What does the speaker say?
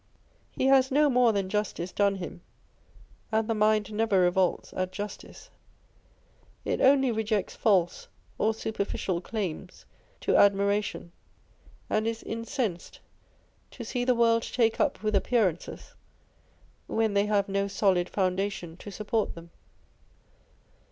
He has no more than justice done him, and the mind never revolts at justice. It only rejects false or superficial claims to admiration, and is incensed to see the world take up with appearances, when they have no solid foundation to support them.